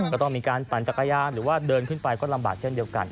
ก็ต้องมีการปั่นจักรยานหรือว่าเดินขึ้นไปก็ลำบากเช่นเดียวกัน